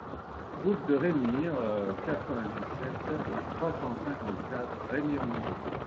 Route de Rémire, quatre-vingt-dix-sept, trois cent cinquante-quatre Remire-Montjoly